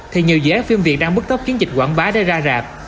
thì nhiều dự án phim việt nam bước tốc kiến dịch quảng bá để ra rạp